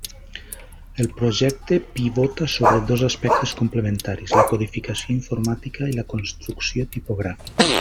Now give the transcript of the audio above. El projecte pivota sobre dos aspectes complementaris: la codificació informàtica i la construcció tipogràfica.